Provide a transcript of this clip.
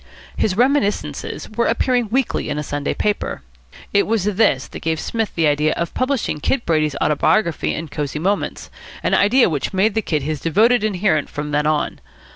His reminiscences were appearing weekly in a Sunday paper. It was this that gave Psmith the idea of publishing Kid Brady's autobiography in Cosy Moments, an idea which made the Kid his devoted adherent from then on.